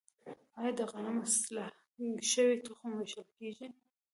آیا د غنمو اصلاح شوی تخم ویشل کیږي؟